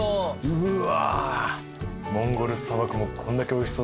うわ。